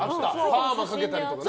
パーマかけたりとかね。